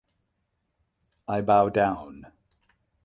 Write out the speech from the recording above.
I bow down"".